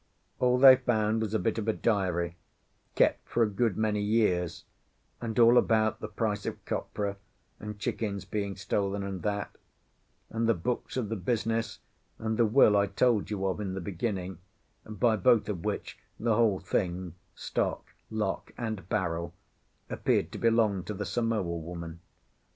All they found was a bit of a diary, kept for a good many years, and all about the price of copra, and chickens being stolen, and that; and the books of the business and the will I told you of in the beginning, by both of which the whole thing (stock, lock, and barrel) appeared to belong to the Samoa woman.